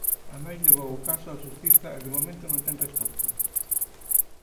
A nai levou o caso á xustiza e de momento non ten resposta.